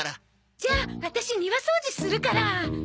じゃあワタシ庭掃除するから。